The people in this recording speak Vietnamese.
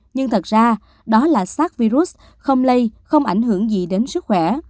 nhưng thật ra đó là sars virus không lây không ảnh hưởng gì đến sức khỏe